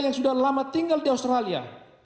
yang sudah lama tinggal di australia